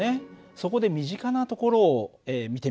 そこで身近なところを見てみようか。